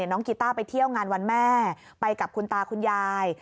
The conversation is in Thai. กีต้าไปเที่ยวงานวันแม่ไปกับคุณตาคุณยาย